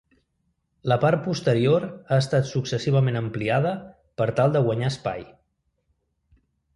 La part posterior ha estat successivament ampliada per tal de guanyar espai.